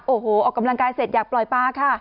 โอ้โหออกกำลังกายเสร็จอยากปล่อยปลาค่ะ